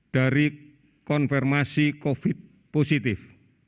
dari konfirmasi covid sembilan belas positif